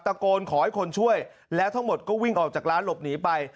ตะโกนขอให้คนช่วยแล้วทั้งหมดก็วิ่งออกจากร้านหลบหนีไป